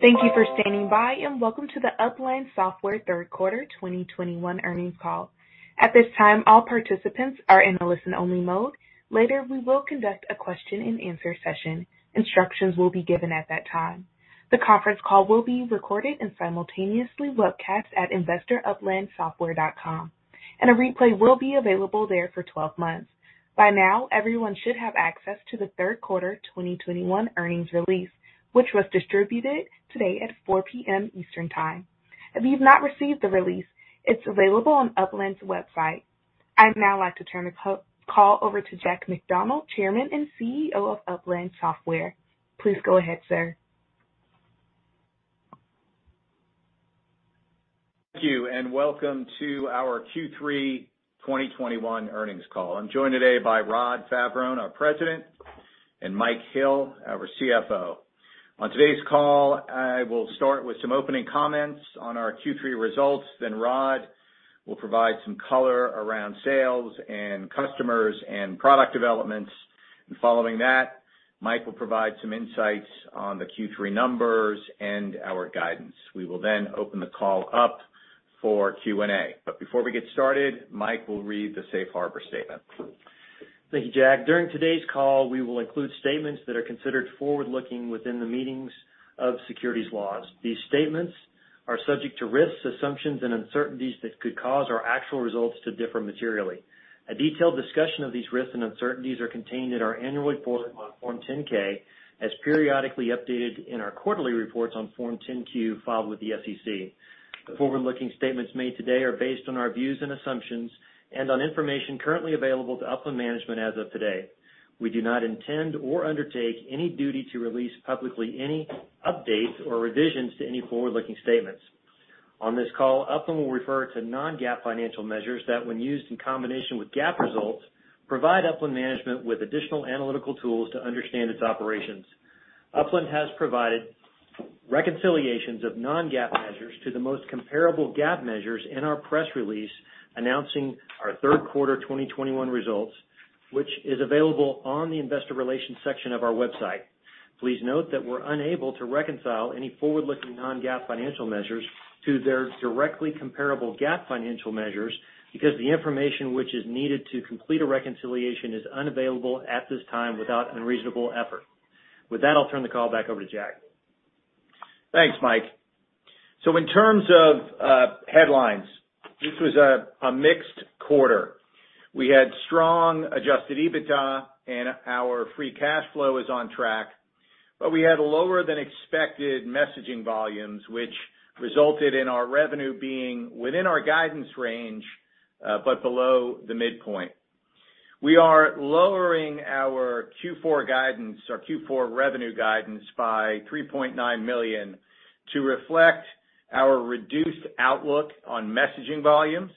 Thank you for standing by, and welcome to the Upland Software Third Quarter 2021 Earnings Call. At this time, all participants are in a listen-only mode. Later, we will conduct a question-and-answer session. Instructions will be given at that time. The conference call will be recorded and simultaneously webcast at investoruplandsoftware.com, and a replay will be available there for 12 months. By now, everyone should have access to the third quarter 2021 earnings release, which was distributed today at 4:00 P.M. Eastern Time. If you've not received the release, it's available on Upland's website. I'd now like to turn the call over to Jack McDonald, Chairman and CEO of Upland Software. Please go ahead, sir. Thank you, and welcome to our Q3 2021 earnings call. I'm joined today by Rod Favaron, our President, and Michael Hill, our CFO. On today's call, I will start with some opening comments on our Q3 results. Rod will provide some color around sales and customers and product developments. Following that, Mike will provide some insights on the Q3 numbers and our guidance. We will then open the call up for Q&A. Before we get started, Mike will read the Safe Harbor statement. Thank you, Jack. During today's call, we will include statements that are considered forward-looking within the meanings of securities laws. These statements are subject to risks, assumptions, and uncertainties that could cause our actual results to differ materially. A detailed discussion of these risks and uncertainties are contained in our annual report on Form 10-K, as periodically updated in our quarterly reports on Form 10-Q filed with the SEC. The forward-looking statements made today are based on our views and assumptions and on information currently available to Upland management as of today. We do not intend or undertake any duty to release publicly any updates or revisions to any forward-looking statements. On this call, Upland will refer to non-GAAP financial measures that, when used in combination with GAAP results, provide Upland management with additional analytical tools to understand its operations. Upland has provided reconciliations of non-GAAP measures to the most comparable GAAP measures in our press release announcing our third quarter 2021 results, which is available on the investor relations section of our website. Please note that we're unable to reconcile any forward-looking non-GAAP financial measures to their directly comparable GAAP financial measures because the information which is needed to complete a reconciliation is unavailable at this time without unreasonable effort. With that, I'll turn the call back over to Jack. Thanks, Mike. In terms of headlines, this was a mixed quarter. We had strong Adjusted EBITDA and our free cash flow is on track, but we had lower than expected messaging volumes, which resulted in our revenue being within our guidance range, but below the midpoint. We are lowering our Q4 guidance, our Q4 revenue guidance by $3.9 million to reflect our reduced outlook on messaging volumes.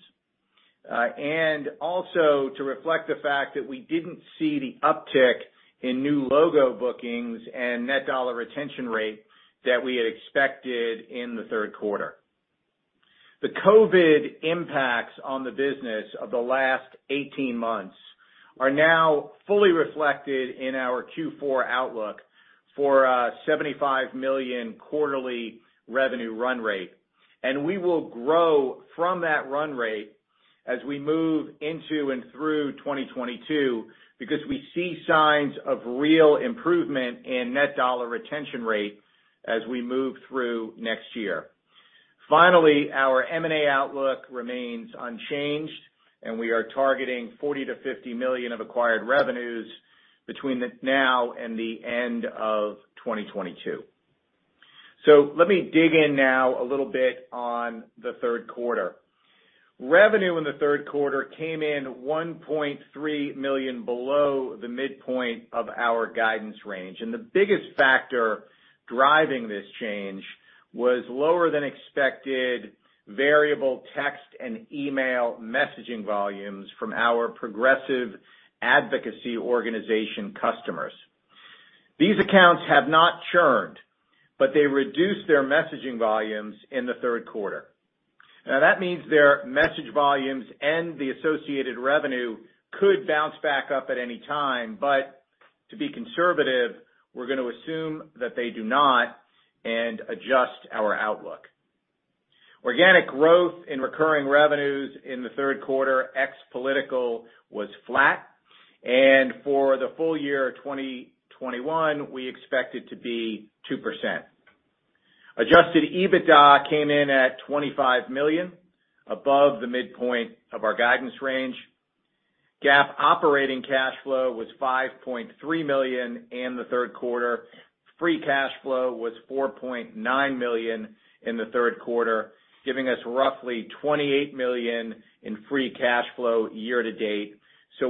Also to reflect the fact that we didn't see the uptick in new logo bookings and Net Dollar Retention Rate that we had expected in the third quarter. The COVID impacts on the business of the last 18 months are now fully reflected in our Q4 outlook for a $75 million quarterly revenue run rate. We will grow from that run rate as we move into and through 2022, because we see signs of real improvement in Net Dollar Retention Rate as we move through next year. Finally, our M&A outlook remains unchanged, and we are targeting $40 million-$50 million of acquired revenues between now and the end of 2022. Let me dig in now a little bit on the third quarter. Revenue in the third quarter came in $1.3 million below the midpoint of our guidance range, and the biggest factor driving this change was lower than expected variable text and email messaging volumes from our progressive advocacy organization customers. These accounts have not churned, but they reduced their messaging volumes in the third quarter. Now, that means their message volumes and the associated revenue could bounce back up at any time, but to be conservative, we're gonna assume that they do not and adjust our outlook. Organic growth in recurring revenues in the third quarter ex political was flat, and for the full year 2021, we expect it to be 2%. Adjusted EBITDA came in at $25 million, above the midpoint of our guidance range. GAAP operating cash flow was $5.3 million in the third quarter. Free cash flow was $4.9 million in the third quarter, giving us roughly $28 million in free cash flow year to date.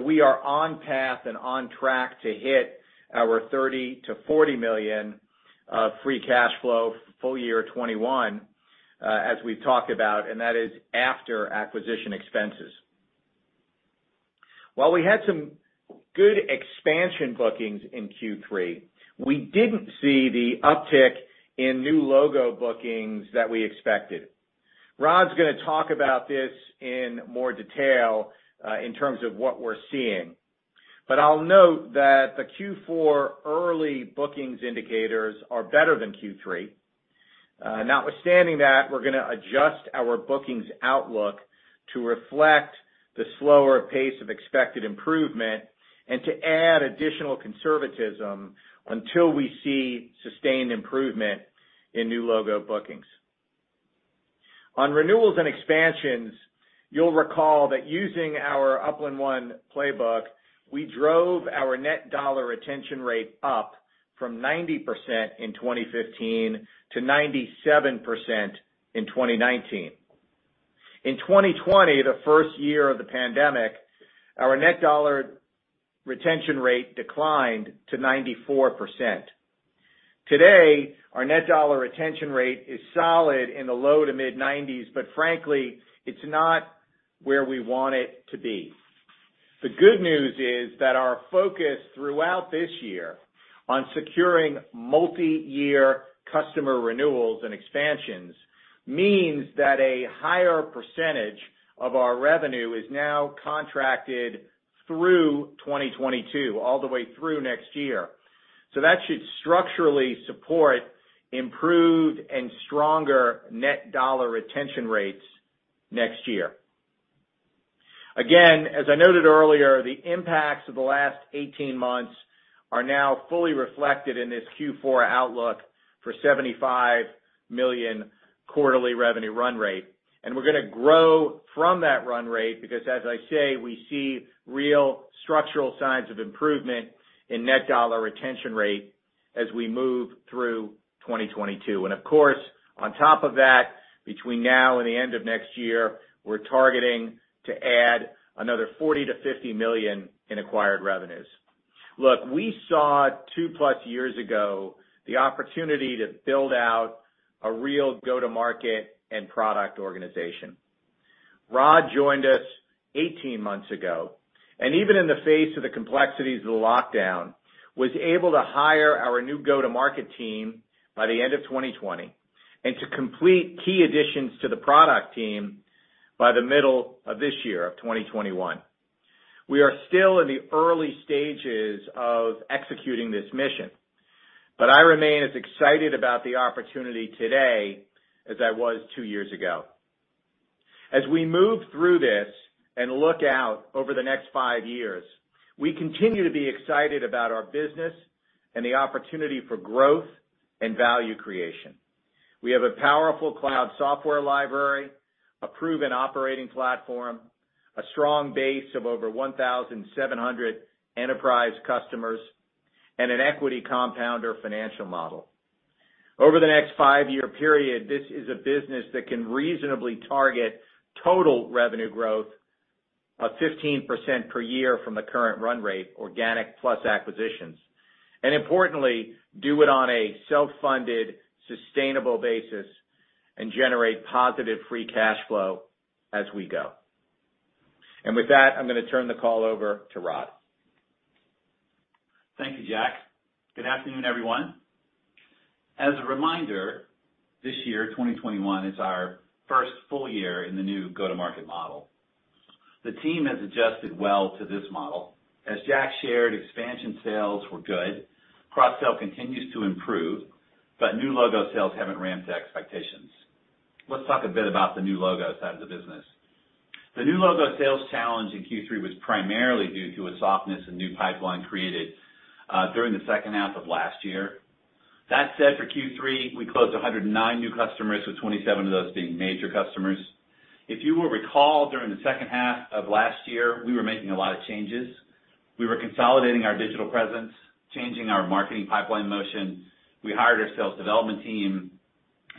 We are on path and on track to hit our $30 million-$40 million free cash flow full year 2021, as we've talked about, and that is after acquisition expenses. While we had some good expansion bookings in Q3, we didn't see the uptick in new logo bookings that we expected. Rod's gonna talk about this in more detail, in terms of what we're seeing. I'll note that the Q4 early bookings indicators are better than Q3. Notwithstanding that, we're gonna adjust our bookings outlook to reflect the slower pace of expected improvement and to add additional conservatism until we see sustained improvement in new logo bookings. On renewals and expansions, you'll recall that using our UplandOne playbook, we drove our net dollar retention rate up from 90% in 2015 to 97% in 2019. In 2020, the first year of the pandemic, our net dollar retention rate declined to 94%. Today, our net dollar retention rate is solid in the low- to mid-90s%, but frankly, it's not where we want it to be. The good news is that our focus throughout this year on securing multi-year customer renewals and expansions means that a higher percentage of our revenue is now contracted through 2022, all the way through next year. That should structurally support improved and stronger net dollar retention rates next year. Again, as I noted earlier, the impacts of the last 18 months are now fully reflected in this Q4 outlook for $75 million quarterly revenue run rate. We're gonna grow from that run rate because as I say, we see real structural signs of improvement in net dollar retention rate as we move through 2022. Of course, on top of that, between now and the end of next year, we're targeting to add another $40 million-$50 million in acquired revenues. Look, we saw 2+ years ago the opportunity to build out a real go-to-market and product organization. Rod joined us 18 months ago, and even in the face of the complexities of the lockdown, was able to hire our new go-to-market team by the end of 2020 and to complete key additions to the product team by the middle of this year of 2021. We are still in the early stages of executing this mission, but I remain as excited about the opportunity today as I was two years ago. As we move through this and look out over the next five years, we continue to be excited about our business and the opportunity for growth and value creation. We have a powerful cloud software library, a proven operating platform, a strong base of over 1,700 enterprise customers, and an equity compounder financial model. Over the next five-year period, this is a business that can reasonably target total revenue growth of 15% per year from the current run rate, organic plus acquisitions, and importantly, do it on a self-funded, sustainable basis and generate positive free cash flow as we go. With that, I'm gonna turn the call over to Rod. Thank you, Jack. Good afternoon, everyone. As a reminder, this year, 2021, is our first full year in the new go-to-market model. The team has adjusted well to this model. As Jack shared, expansion sales were good. Cross-sell continues to improve, but new logo sales haven't ramped to expectations. Let's talk a bit about the new logo side of the business. The new logo sales challenge in Q3 was primarily due to a softness in new pipeline created during the second half of last year. That said, for Q3, we closed 109 new customers, with 27 of those being major customers. If you will recall, during the second half of last year, we were making a lot of changes. We were consolidating our digital presence, changing our marketing pipeline motion. We hired a sales development team,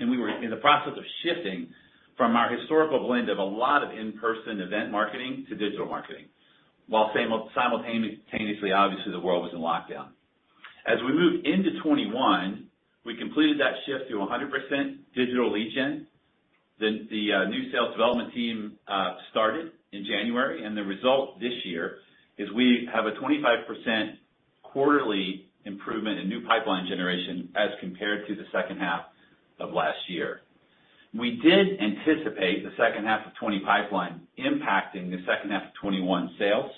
and we were in the process of shifting from our historical blend of a lot of in-person event marketing to digital marketing, while simultaneously, obviously, the world was in lockdown. As we moved into 2021, we completed that shift to 100% digital lead gen. The new sales development team started in January, and the result this year is we have a 25% quarterly improvement in new pipeline generation as compared to the second half of last year. We did anticipate the second half of 2020 pipeline impacting the second half of 2021 sales,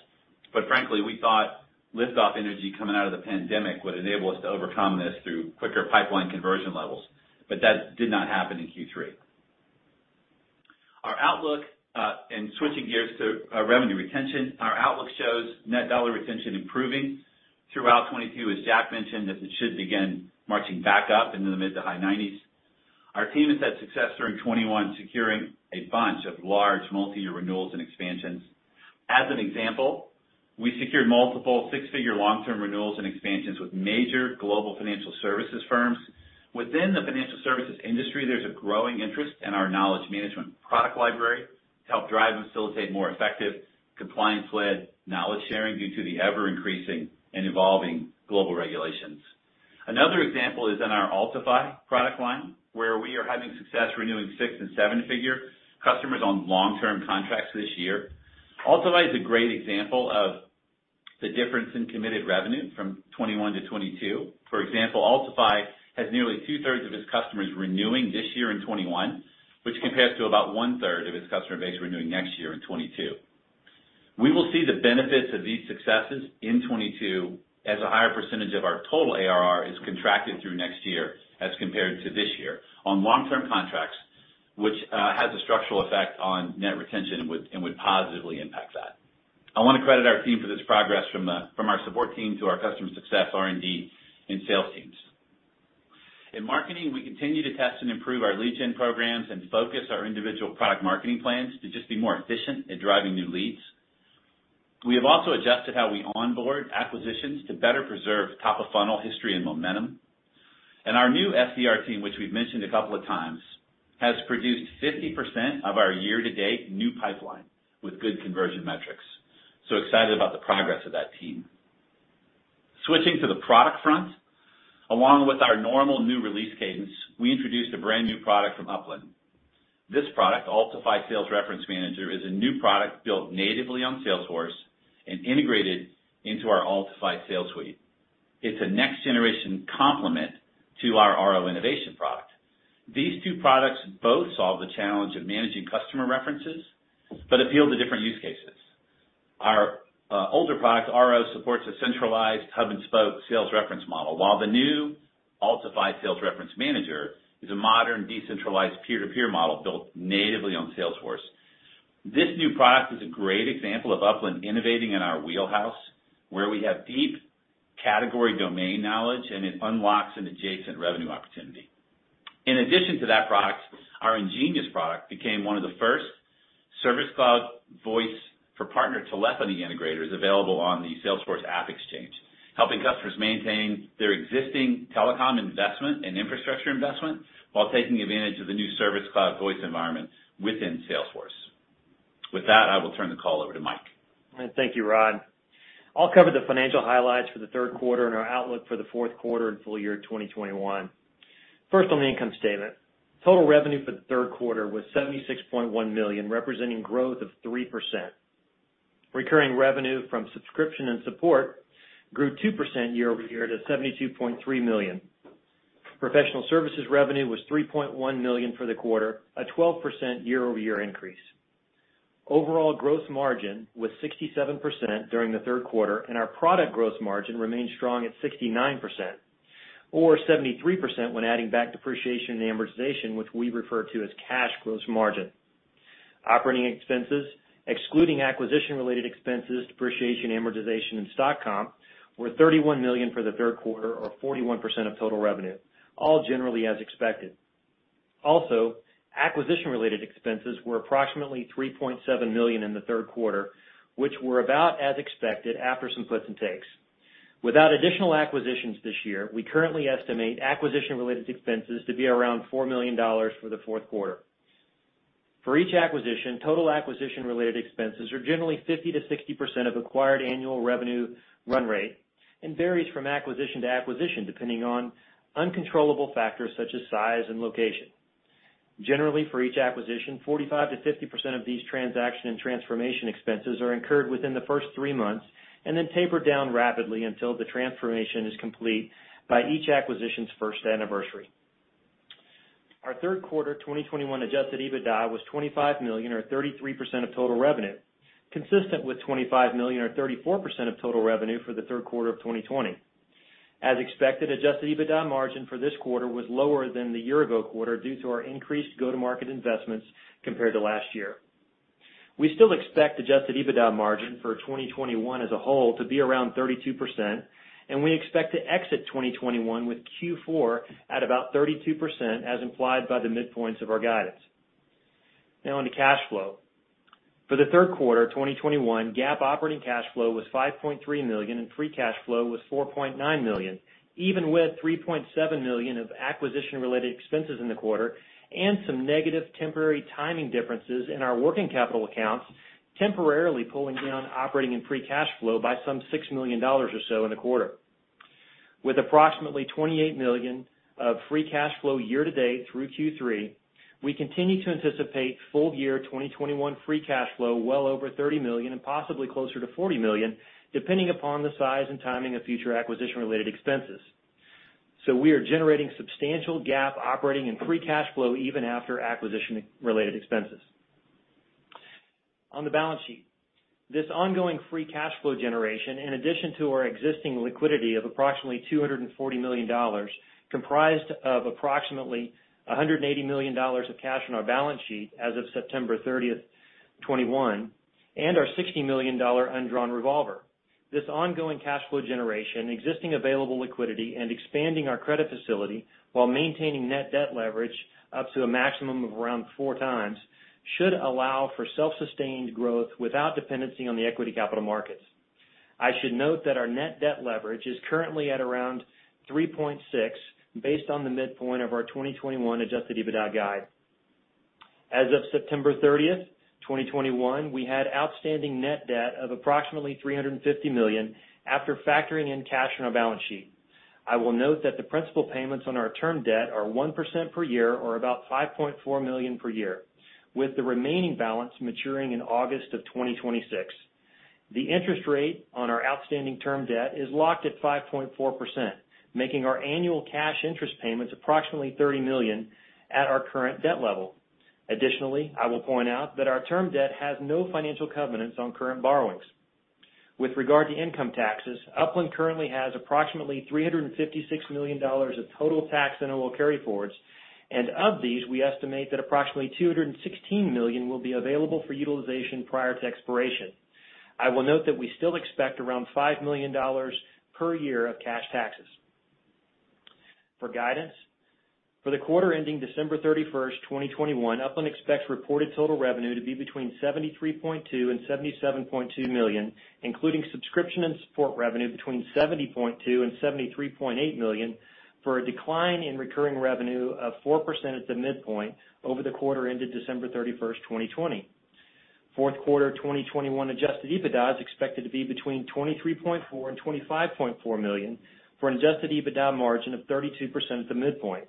but frankly, we thought liftoff energy coming out of the pandemic would enable us to overcome this through quicker pipeline conversion levels, but that did not happen in Q3. Our outlook in switching gears to our revenue retention, our outlook shows Net Dollar Retention improving throughout 2022, as Jack mentioned, as it should begin marching back up into the mid- to high 90s. Our team has had success during 2021 securing a bunch of large multi-year renewals and expansions. As an example, we secured multiple six-figure long-term renewals and expansions with major global financial services firms. Within the financial services industry, there's a growing interest in our knowledge management product library to help drive and facilitate more effective compliance-led knowledge sharing due to the ever-increasing and evolving global regulations. Another example is in our Altify product line, where we are having success renewing six- and seven-figure customers on long-term contracts this year. Altify is a great example of the difference in committed revenue from 2021 to 2022. For example, Altify has nearly two-thirds of its customers renewing this year in 2021, which compares to about one-third of its customer base renewing next year in 2022. We will see the benefits of these successes in 2022 as a higher percentage of our total ARR is contracted through next year as compared to this year on long-term contracts, which has a structural effect on net retention and would positively impact that. I wanna credit our team for this progress from our support team to our customer success R&D and sales teams. In marketing, we continue to test and improve our lead gen programs and focus our individual product marketing plans to just be more efficient at driving new leads. We have also adjusted how we onboard acquisitions to better preserve top of funnel history and momentum. Our new SDR team, which we've mentioned a couple of times, has produced 50% of our year-to-date new pipeline with good conversion metrics. Excited about the progress of that team. Switching to the product front, along with our normal new release cadence, we introduced a brand new product from Upland. This product, Altify Sales Reference Manager, is a new product built natively on Salesforce and integrated into our Altify sales suite. It's a next generation complement to our RO Innovation product. These two products both solve the challenge of managing customer references, but appeal to different use cases. Our older product, RO, supports a centralized hub and spoke sales reference model, while the new Altify Sales Reference Manager is a modern, decentralized peer-to-peer model built natively on Salesforce. This new product is a great example of Upland innovating in our wheelhouse, where we have deep category domain knowledge, and it unlocks an adjacent revenue opportunity. In addition to that product, our InGenius product became one of the first Service Cloud Voice for partner telephony integrators available on the Salesforce AppExchange, helping customers maintain their existing telecom investment and infrastructure investment while taking advantage of the new Service Cloud Voice environment within Salesforce. With that, I will turn the call over to Mike. Thank you, Rod. I'll cover the financial highlights for the third quarter and our outlook for the fourth quarter and full year 2021. First, on the income statement. Total revenue for the third quarter was $76.1 million, representing growth of 3%. Recurring revenue from subscription and support grew 2% year-over-year to $72.3 million. Professional services revenue was $3.1 million for the quarter, a 12% year-over-year increase. Overall gross margin was 67% during the third quarter, and our product gross margin remained strong at 69% or 73% when adding back depreciation and amortization, which we refer to as cash gross margin. Operating expenses, excluding acquisition-related expenses, depreciation, amortization, and stock comp, were $31 million for the third quarter or 41% of total revenue, all generally as expected. Acquisition-related expenses were approximately $3.7 million in the third quarter, which were about as expected after some puts and takes. Without additional acquisitions this year, we currently estimate acquisition-related expenses to be around $4 million for the fourth quarter. For each acquisition, total acquisition-related expenses are generally 50%-60% of acquired annual revenue run rate, and varies from acquisition to acquisition, depending on uncontrollable factors such as size and location. Generally, for each acquisition, 45%-50% of these transaction and transformation expenses are incurred within the first three months and then taper down rapidly until the transformation is complete by each acquisition's first anniversary. Our third quarter 2021 Adjusted EBITDA was $25 million or 33% of total revenue, consistent with $25 million or 34% of total revenue for the third quarter of 2020. As expected, Adjusted EBITDA margin for this quarter was lower than the year ago quarter due to our increased go-to-market investments compared to last year. We still expect Adjusted EBITDA margin for 2021 as a whole to be around 32%, and we expect to exit 2021 with Q4 at about 32%, as implied by the midpoints of our guidance. Now on to cash flow. For the third quarter 2021, GAAP operating cash flow was $5.3 million, and free cash flow was $4.9 million, even with $3.7 million of acquisition-related expenses in the quarter and some negative temporary timing differences in our working capital accounts, temporarily pulling down operating and free cash flow by some $6 million or so in the quarter. With approximately $28 million of free cash flow year to date through Q3, we continue to anticipate full year 2021 free cash flow well over $30 million and possibly closer to $40 million, depending upon the size and timing of future acquisition-related expenses. We are generating substantial GAAP operating and free cash flow even after acquisition-related expenses. On the balance sheet, this ongoing free cash flow generation, in addition to our existing liquidity of approximately $240 million, comprised of approximately $180 million of cash on our balance sheet as of September 30, 2021, and our $60 million undrawn revolver. This ongoing cash flow generation, existing available liquidity, and expanding our credit facility while maintaining net debt leverage up to a maximum of around 4x, should allow for self-sustained growth without dependency on the equity capital markets. I should note that our net debt leverage is currently at around 3.6 based on the midpoint of our 2021 Adjusted EBITDA guide. As of September 30, 2021, we had outstanding net debt of approximately $350 million after factoring in cash on our balance sheet. I will note that the principal payments on our term debt are 1% per year or about $5.4 million per year, with the remaining balance maturing in August 2026. The interest rate on our outstanding term debt is locked at 5.4%, making our annual cash interest payments approximately $30 million at our current debt level. Additionally, I will point out that our term debt has no financial covenants on current borrowings. With regard to income taxes, Upland currently has approximately $356 million of total tax annual carryforwards, and of these, we estimate that approximately $216 million will be available for utilization prior to expiration. I will note that we still expect around $5 million per year of cash taxes. For guidance, for the quarter ending December 31, 2021, Upland expects reported total revenue to be between $73.2 million and $77.2 million, including subscription and support revenue between $70.2 million and $73.8 million, for a decline in recurring revenue of 4% at the midpoint over the quarter ended December 31, 2020. Fourth quarter 2021 Adjusted EBITDA is expected to be between $23.4 million and $25.4 million for an Adjusted EBITDA margin of 32% at the midpoint.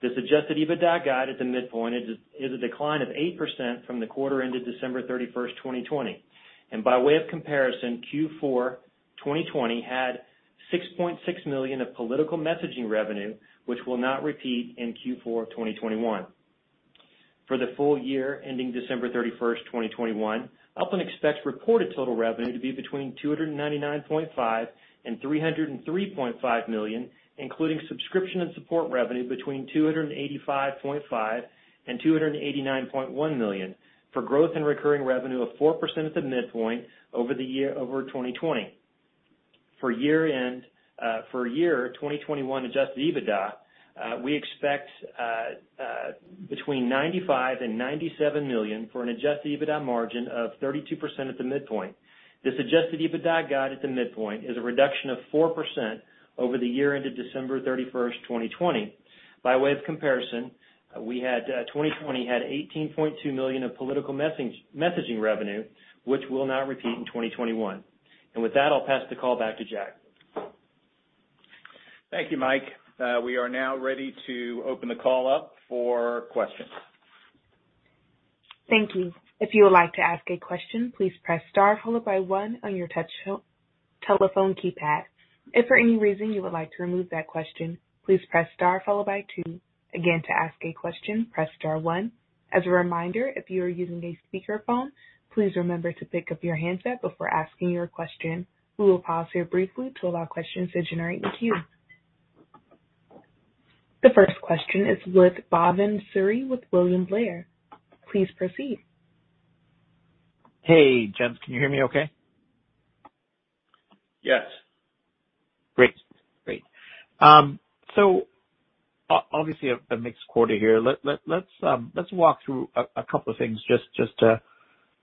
This Adjusted EBITDA guide at the midpoint is a decline of 8% from the quarter ended December 31, 2020. By way of comparison, Q4 2020 had $6.6 million of political messaging revenue, which will not repeat in Q4 of 2021. For the full year ending December 31, 2021, Upland expects reported total revenue to be between $299.5 million and $303.5 million, including subscription and support revenue between $285.5 million and $289.1 million for growth in recurring revenue of 4% at the midpoint over 2020. For year end 2021 Adjusted EBITDA, we expect between $95 million and $97 million for an Adjusted EBITDA margin of 32% at the midpoint. This Adjusted EBITDA guide at the midpoint is a reduction of 4% over the year ended December 31, 2020. By way of comparison, 2020 had $18.2 million of political messaging revenue, which will not repeat in 2021. With that, I'll pass the call back to Jack. Thank you, Mike. We are now ready to open the call up for questions. Thank you. If you would like to ask a question, please press star followed by one on your touch telephone keypad. If for any reason you would like to remove that question, please press star followed by two. Again, to ask a question, press star one. As a reminder, if you are using a speakerphone, please remember to pick up your handset before asking your question. We will pause here briefly to allow questions to generate in the queue. The first question is with Bhavan Suri with William Blair. Please proceed. Hey, gents. Can you hear me okay? Yes. Great. Great. Obviously a mixed quarter here. Let's walk through a couple of things just to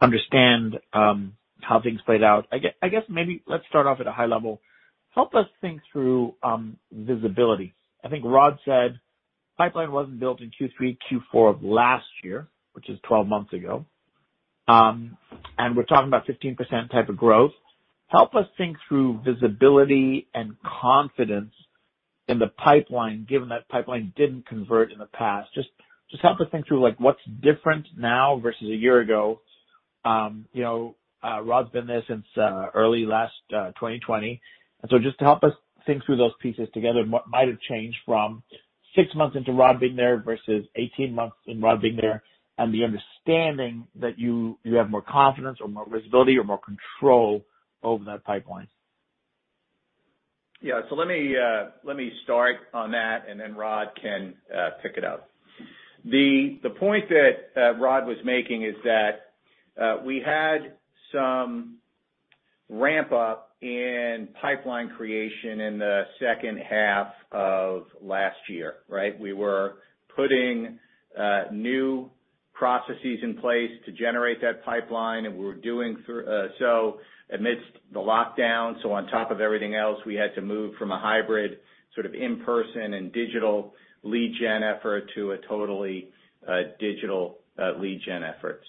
understand how things played out. I guess maybe let's start off at a high level. Help us think through visibility. I think Rod said pipeline wasn't built in Q3, Q4 of last year, which is 12 months ago. We're talking about 15% type of growth. Help us think through visibility and confidence in the pipeline, given that pipeline didn't convert in the past. Just help us think through, like, what's different now versus a year ago. You know, Rod's been there since early last 2020. Just help us think through those pieces together. What might have changed from six months into Rod being there versus 18 months in Rod being there, and the understanding that you have more confidence or more visibility or more control over that pipeline? Yeah. Let me start on that, and then Rod can pick it up. The point that Rod was making is that we had some ramp up in pipeline creation in the second half of last year, right? We were putting new processes in place to generate that pipeline, and we were doing so amidst the lockdown. On top of everything else, we had to move from a hybrid sort of in-person and digital lead gen effort to a totally digital lead gen effort.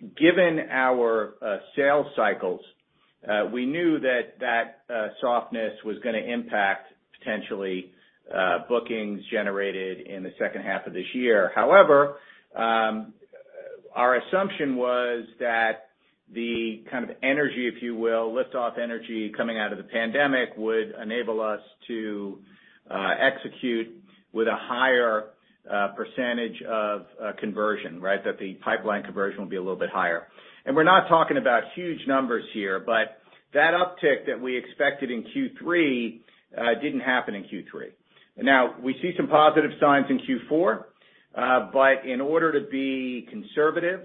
Given our sales cycles, we knew that softness was gonna impact potentially bookings generated in the second half of this year. However, our assumption was that the kind of energy, if you will, lift off energy coming out of the pandemic, would enable us to execute with a higher percentage of conversion, right? That the pipeline conversion will be a little bit higher. We're not talking about huge numbers here, but that uptick that we expected in Q3 didn't happen in Q3. Now we see some positive signs in Q4, but in order to be conservative,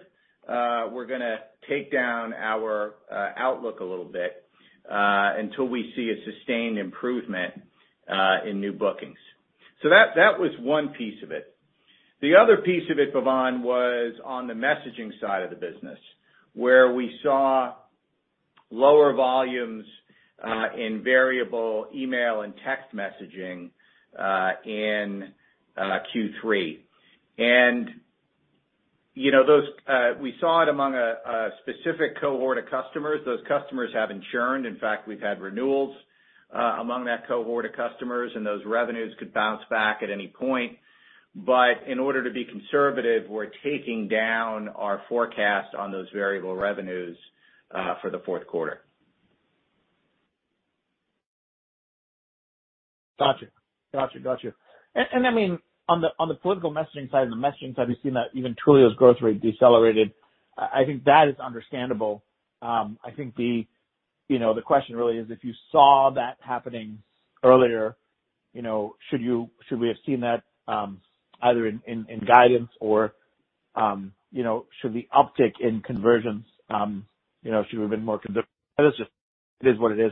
we're gonna take down our outlook a little bit until we see a sustained improvement in new bookings. That was one piece of it. The other piece of it, Bhavan, was on the messaging side of the business, where we saw lower volumes in variable email and text messaging in Q3. You know, those we saw it among a specific cohort of customers. Those customers haven't churned. In fact, we've had renewals among that cohort of customers, and those revenues could bounce back at any point. In order to be conservative, we're taking down our forecast on those variable revenues for the fourth quarter. Gotcha. I mean, on the political messaging side and the messaging side, we've seen that even Twilio's growth rate decelerated. I think that is understandable. I think, you know, the question really is, if you saw that happening earlier, you know, should we have seen that, either in guidance or, you know, should the uptick in conversions, you know, should we have been more. It's just, it is what it is.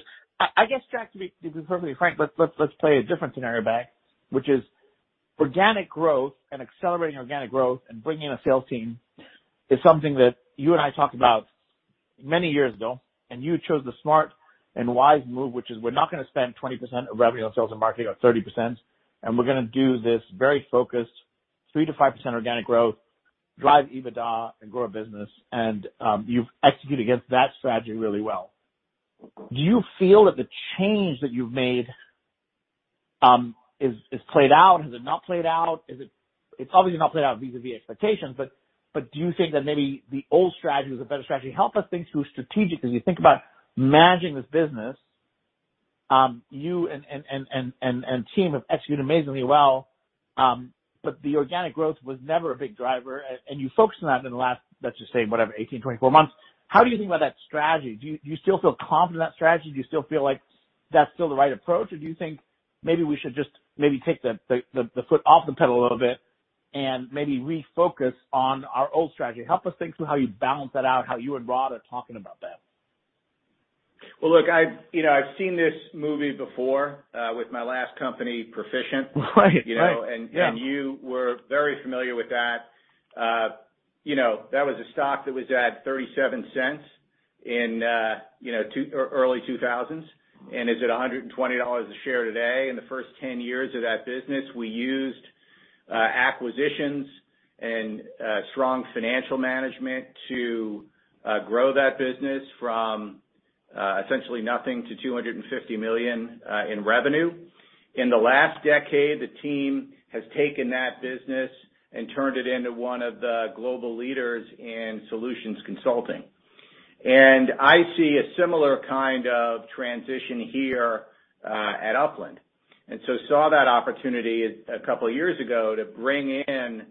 I guess, Jack, to be perfectly frank, let's play a different scenario back, which is organic growth and accelerating organic growth and bringing a sales team is something that you and I talked about many years ago, and you chose the smart and wise move, which is we're not gonna spend 20% of revenue on sales and marketing or 30%, and we're gonna do this very focused 3%-5% organic growth, drive EBITDA and grow our business. You've executed against that strategy really well. Do you feel that the change that you've made is played out? Has it not played out? It's obviously not played out vis-a-vis expectations, but do you think that maybe the old strategy was a better strategy? Help us think through strategically, as you think about managing this business, you and the team have executed amazingly well, but the organic growth was never a big driver, and you focused on that in the last, let's just say, whatever, 18-24 months. How do you think about that strategy? Do you still feel confident in that strategy? Do you still feel like that's still the right approach? Or do you think maybe we should just maybe take the foot off the pedal a little bit and maybe refocus on our old strategy? Help us think through how you balance that out, how you and Rod are talking about that. Well, look, I've, you know, I've seen this movie before with my last company, Perficient. Right. Right. Yeah. You know, you were very familiar with that. You know, that was a stock that was at $0.37 in early 2000s, and is at $120 a share today. In the first 10 years of that business, we used acquisitions and strong financial management to grow that business from essentially nothing to $250 million in revenue. In the last decade, the team has taken that business and turned it into one of the global leaders in solutions consulting. I see a similar kind of transition here at Upland. Saw that opportunity a couple of years ago to bring in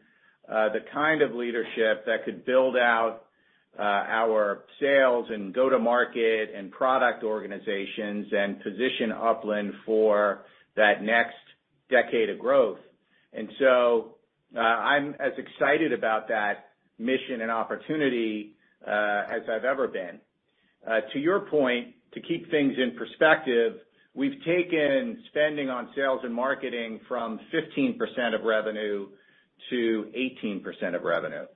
the kind of leadership that could build out our sales and go-to-market and product organizations and position Upland for that next decade of growth. I'm as excited about that mission and opportunity as I've ever been. To your point, to keep things in perspective, we've taken spending on sales and marketing from 15% of revenue to 18% of revenue.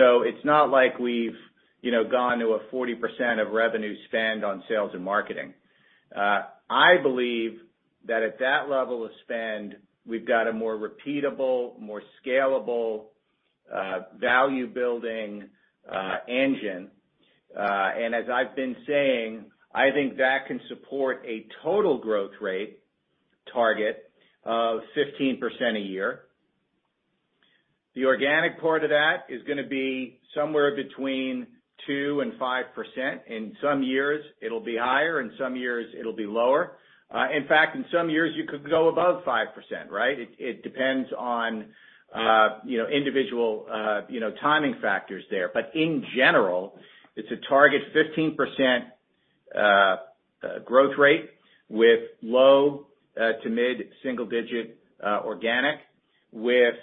It's not like we've, you know, gone to a 40% of revenue spend on sales and marketing. I believe that at that level of spend, we've got a more repeatable, more scalable, value-building engine. As I've been saying, I think that can support a total growth rate target of 15% a year. The organic part of that is gonna be somewhere between 2% and 5%. In some years, it'll be higher, in some years, it'll be lower. In fact, in some years, you could go above 5%, right? It depends on you know individual you know timing factors there. In general, it's a target 15% growth rate with low- to mid-single-digit organic with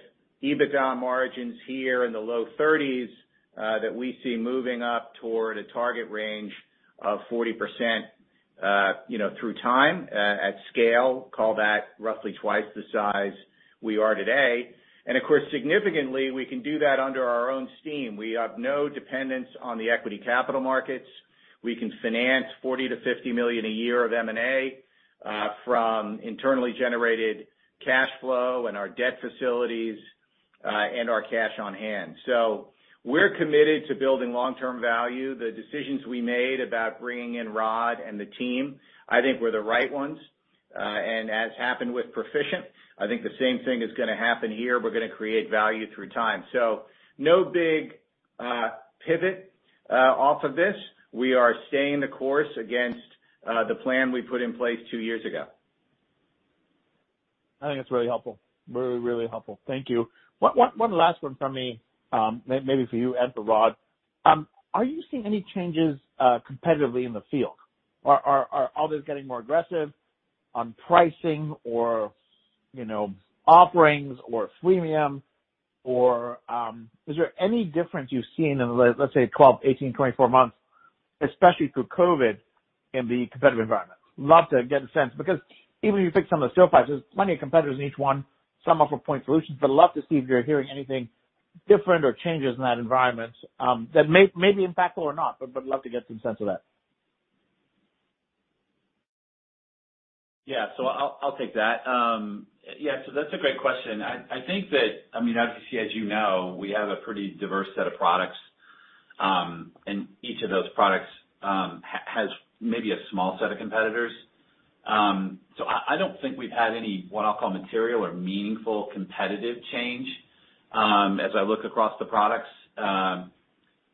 EBITDA margins here in the low 30s that we see moving up toward a target range of 40% you know through time at scale, call that roughly twice the size we are today. Of course, significantly, we can do that under our own steam. We have no dependence on the equity capital markets. We can finance $40 million-$50 million a year of M&A from internally generated cash flow and our debt facilities and our cash on hand. We're committed to building long-term value. The decisions we made about bringing in Rod and the team, I think were the right ones. As happened with Perficient, I think the same thing is gonna happen here. We're gonna create value through time. No big pivot off of this. We are staying the course against the plan we put in place two years ago. I think that's really helpful. Really helpful. Thank you. One last one from me, maybe for you and for Rod. Are you seeing any changes competitively in the field? Are others getting more aggressive on pricing or, you know, offerings or freemium or, is there any difference you've seen in the let's say, 12, 18, 24 months, especially through COVID, in the competitive environment? Love to get a sense because even when you pick some of the 5s, there's plenty of competitors in each one. Some offer point solutions, but love to see if you're hearing anything different or changes in that environment, that may be impactful or not, but love to get some sense of that. Yeah. I'll take that. Yeah, that's a great question. I think that. I mean, obviously, as you know, we have a pretty diverse set of products, and each of those products has maybe a small set of competitors. So I don't think we've had any, what I'll call material or meaningful competitive change, as I look across the products.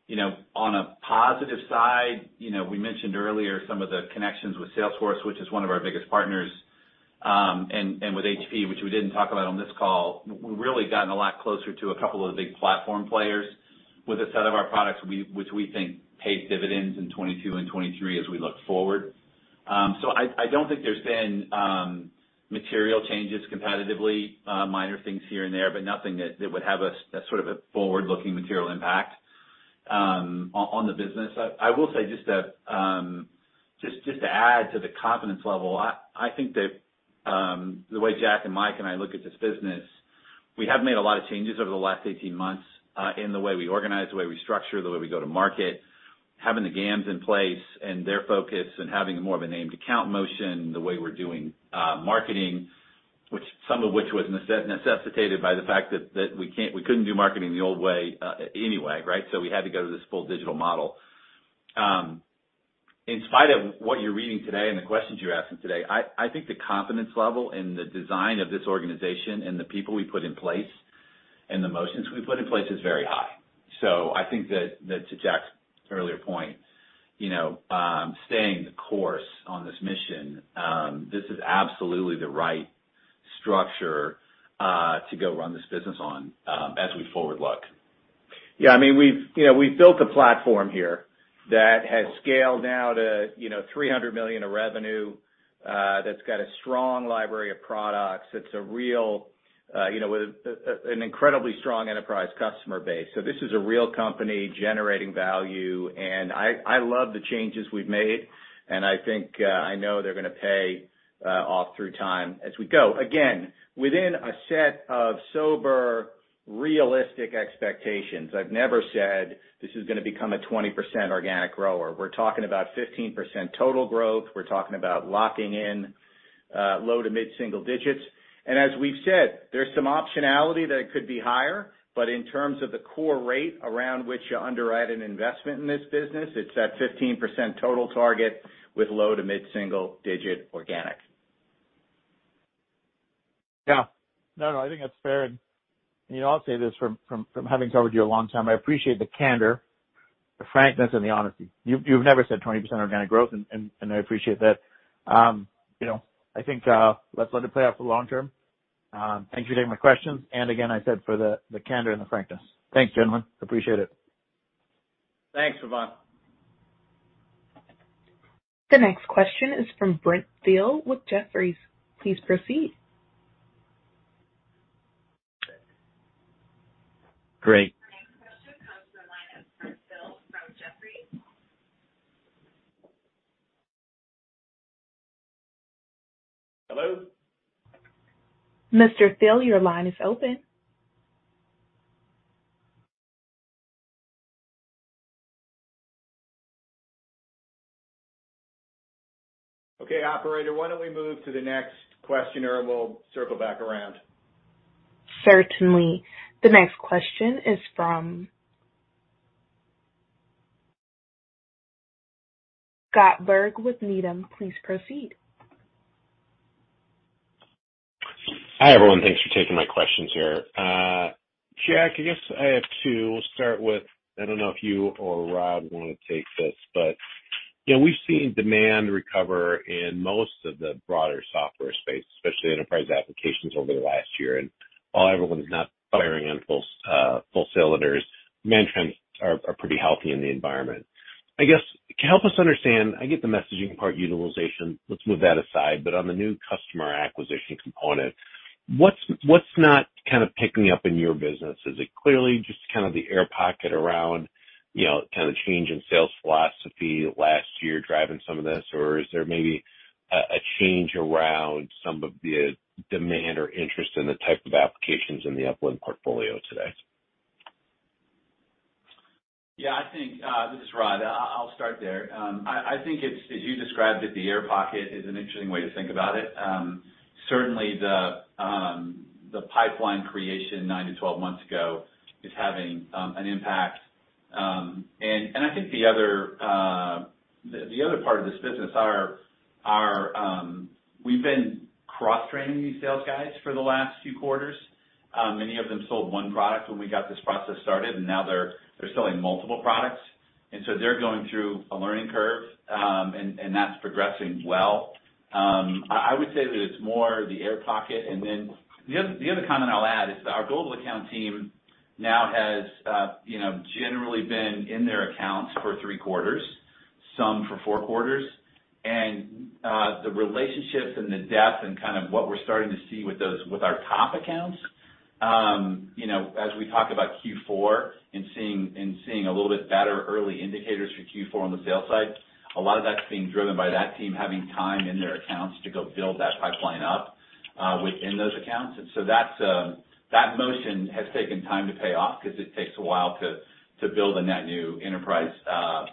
You know, on a positive side, you know, we mentioned earlier some of the connections with Salesforce, which is one of our biggest partners, and with HP, which we didn't talk about on this call. We've really gotten a lot closer to a couple of the big platform players with a set of our products which we think pays dividends in 2022 and 2023 as we look forward. I don't think there's been material changes competitively. Minor things here and there, but nothing that would have a sort of forward-looking material impact on the business. I will say just to add to the confidence level, I think that the way Jack and Mike and I look at this business, we have made a lot of changes over the last 18 months in the way we organize, the way we structure, the way we go to market, having the GAMS in place and their focus and having more of a named account motion, the way we're doing marketing, which some of which was necessitated by the fact that we couldn't do marketing the old way, anyway, right? We had to go to this full digital model. In spite of what you're reading today and the questions you're asking today, I think the confidence level in the design of this organization and the people we put in place and the motions we put in place is very high. I think that to Jack's earlier point, you know, staying the course on this mission, this is absolutely the right structure to go run this business on, as we forward look. Yeah, I mean, we've you know we've built a platform here that has scaled now to you know $300 million of revenue that's got a strong library of products. It's a real you know with an incredibly strong enterprise customer base. This is a real company generating value, and I love the changes we've made, and I think I know they're gonna pay off through time as we go. Again, within a set of sober, realistic expectations. I've never said this is gonna become a 20% organic grower. We're talking about 15% total growth. We're talking about locking in low- to mid-single-digit %. As we've said, there's some optionality that it could be higher, but in terms of the core rate around which you underwrite an investment in this business, it's that 15% total target with low- to mid-single-digit organic. Yeah. No, no, I think that's fair. You know, I'll say this from having covered you a long time, I appreciate the candor, the frankness, and the honesty. You've never said 20% organic growth, and I appreciate that. You know, I think, let's let it play out for the long term. Thank you for taking my questions. Again, I said for the candor and the frankness. Thanks, gentlemen. Appreciate it. Thanks, Bhavan. The next question is from Brent Thill with Jefferies. Please proceed. Great. The next question comes from the line of Brent Thill from Jefferies. Hello? Mr. Thill, your line is open. Okay, operator, why don't we move to the next questioner, and we'll circle back around. Certainly. The next question is from Scott Berg with Needham. Please proceed. Hi, everyone. Thanks for taking my questions here. Jack, I guess I have two. We'll start with I don't know if you or Rod wanna take this, but, you know, we've seen demand recover in most of the broader software space, especially enterprise applications over the last year. While everyone's not firing on full cylinders, demand trends are pretty healthy in the environment. I guess, help us understand, I get the messaging part utilization, let's move that aside. On the new customer acquisition component, what's not kind of picking up in your business? Is it clearly just kind of the air pocket around, you know, kind of change in sales philosophy last year driving some of this, or is there maybe a change around some of the demand or interest in the type of applications in the Upland portfolio today? Yeah, I think this is Rod. I'll start there. I think it's as you described it, the air pocket is an interesting way to think about it. Certainly the pipeline creation 9-12 months ago is having an impact. I think the other part of this business, we've been cross-training these sales guys for the last few quarters. Many of them sold one product when we got this process started, and now they're selling multiple products. They're going through a learning curve, and that's progressing well. I would say that it's more the air pocket. The other comment I'll add is our global account team now has, you know, generally been in their accounts for three quarters, some for four quarters. The relationships and the depth and kind of what we're starting to see with those, with our top accounts, you know, as we talk about Q4 and seeing a little bit better early indicators for Q4 on the sales side, a lot of that's being driven by that team having time in their accounts to go build that pipeline up within those accounts. That motion has taken time to pay off 'cause it takes a while to build a net new enterprise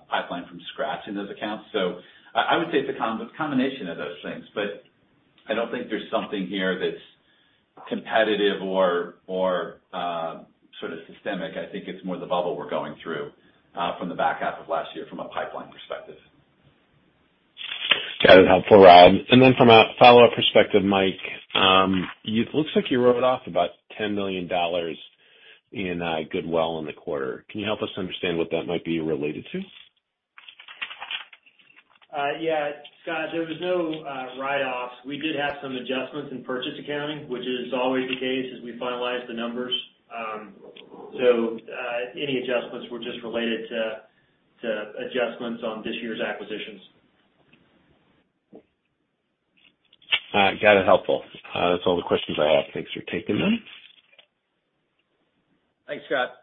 pipeline from scratch in those accounts. I would say it's a combination of those things. I don't think there's something here that's competitive or sort of systemic. I think it's more the bubble we're going through from the back half of last year from a pipeline perspective. Got it. Helpful, Rod. From a follow-up perspective, Mike, looks like you wrote off about $10 million in goodwill in the quarter. Can you help us understand what that might be related to? Yeah. Scott, there was no write-offs. We did have some adjustments in purchase accounting, which is always the case as we finalize the numbers. Any adjustments were just related to adjustments on this year's acquisitions. Got it. Helpful. That's all the questions I have. Thanks for taking them. Thanks, Scott.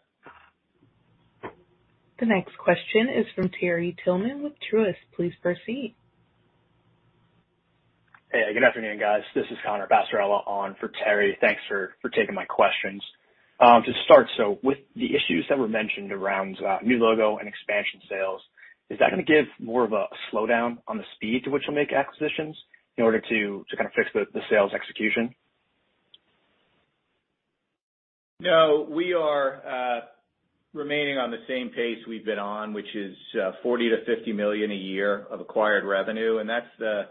The next question is from Terry Tillman with Truist. Please proceed. Hey, good afternoon, guys. This is Connor Passarella on for Terry. Thanks for taking my questions. To start, with the issues that were mentioned around new logo and expansion sales, is that gonna give more of a slowdown on the speed to which you'll make acquisitions in order to kind of fix the sales execution? No. We are remaining on the same pace we've been on, which is $40 million-$50 million a year of acquired revenue. That's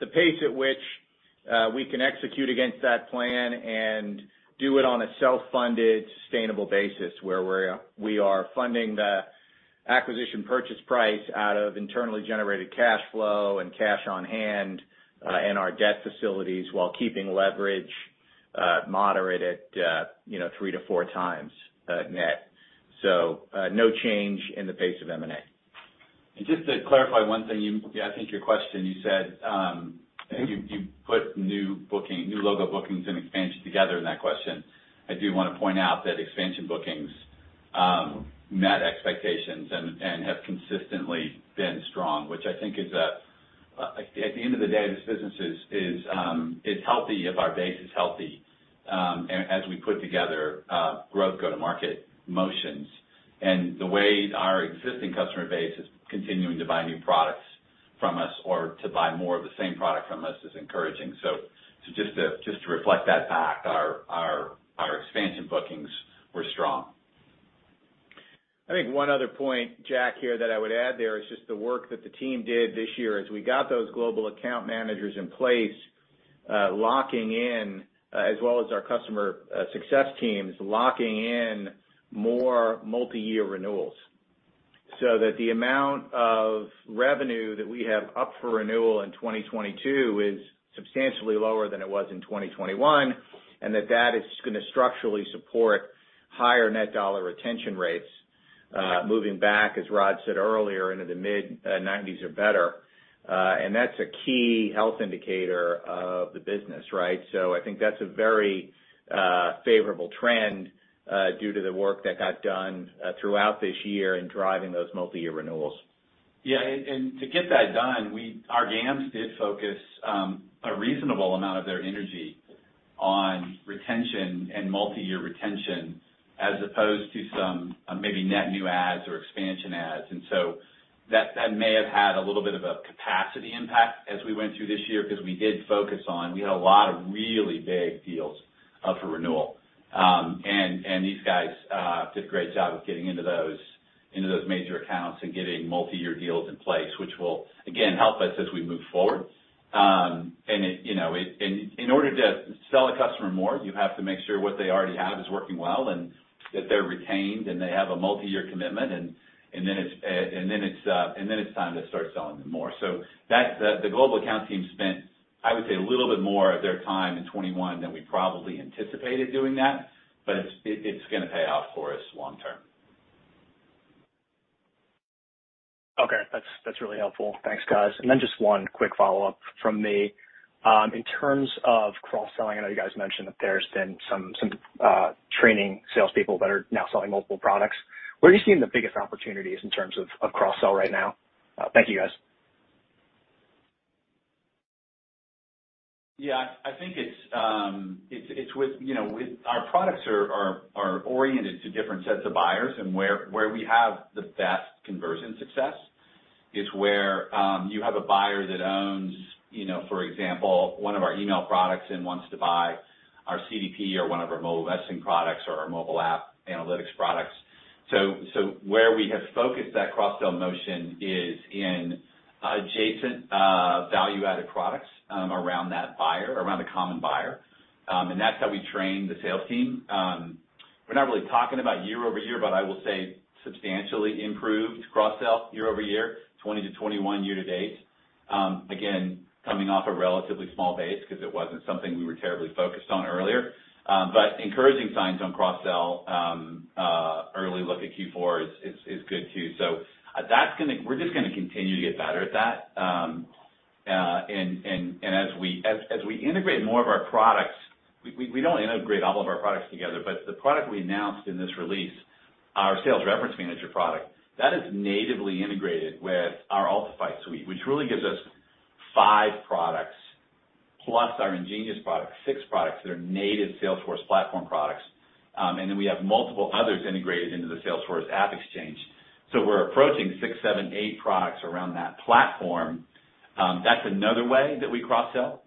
the pace at which we can execute against that plan and do it on a self-funded, sustainable basis, where we are funding the acquisition purchase price out of internally generated cash flow and cash on hand and our debt facilities while keeping leverage moderate at, you know, 3-4 times net. No change in the pace of M&A. Just to clarify one thing. Yeah, I think your question, you said, you put new logo bookings and expansions together in that question. I do wanna point out that expansion bookings met expectations and have consistently been strong, which I think at the end of the day, this business is healthy if our base is healthy, as we put together growth go-to-market motions. The way our existing customer base is continuing to buy new products from us or to buy more of the same product from us is encouraging. So just to reflect that back, our expansion bookings were strong. I think one other point, Jack, here that I would add there is just the work that the team did this year as we got those global account managers in place, locking in, as well as our customer success teams locking in more multiyear renewals, so that the amount of revenue that we have up for renewal in 2022 is substantially lower than it was in 2021, and that is gonna structurally support higher net dollar retention rates, moving back, as Rod said earlier, into the mid-90s% or better. And that's a key health indicator of the business, right? I think that's a very favorable trend due to the work that got done throughout this year in driving those multiyear renewals. Yeah. To get that done, our GAMs did focus a reasonable amount of their energy on retention and multiyear retention as opposed to some maybe net new adds or expansion adds. That may have had a little bit of a capacity impact as we went through this year 'cause we did focus on. We had a lot of really big deals up for renewal. These guys did a great job of getting into those major accounts and getting multiyear deals in place, which will, again, help us as we move forward. It, you know it and in order to sell a customer more, you have to make sure what they already have is working well, and that they're retained, and they have a multiyear commitment. Then it's time to start selling them more. That's the global account team spent, I would say, a little bit more of their time in 2021 than we probably anticipated doing that, but it's gonna pay off for us long term. Okay. That's really helpful. Thanks, guys. Then just one quick follow-up from me. In terms of cross-selling, I know you guys mentioned that there's been some training salespeople that are now selling multiple products. Where are you seeing the biggest opportunities in terms of cross-sell right now? Thank you, guys. Yeah. I think it's with you know with our products are oriented to different sets of buyers. Where we have the best conversion success is where you have a buyer that owns you know for example one of our email products and wants to buy our CDP or one of our mobile messaging products or our mobile app analytics products. Where we have focused that cross-sell motion is in adjacent value-added products around that buyer around the common buyer. That's how we train the sales team. We're not really talking about year-over-year, but I will say substantially improved cross-sell year-over-year, 2020 to 2021 year to date. Again, coming off a relatively small base 'cause it wasn't something we were terribly focused on earlier. Encouraging signs on cross-sell. Early look at Q4 is good too. We're just gonna continue to get better at that. As we integrate more of our product, we don't integrate all of our products together, but the product we announced in this release, our Sales Reference Manager product, that is natively integrated with our Altify suite, which really gives us five products plus our InGenius product, six products that are native Salesforce platform products. Then we have multiple others integrated into the Salesforce AppExchange. We're approaching six, seven, eight products around that platform. That's another way that we cross-sell,